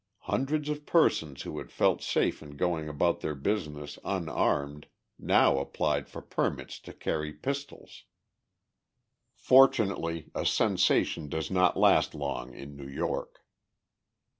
Hundreds of persons who had felt safe in going about their business unarmed now applied for permits to carry pistols. Fortunately, a sensation does not last long in New York.